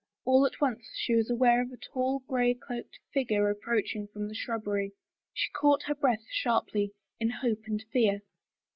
All at once she was aware of a tall, gray cloaked figure approaching from the shrubbery. She caught her breath sharply, in hope and fear.